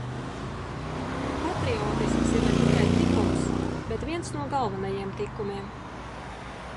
Patriotisms ir ne tikai tikums, bet viens no galvenajiem tikumiem.